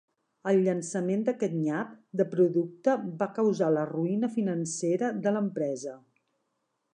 El llançament d'aquest nyap de producte va causar la ruïna financera de l'empresa.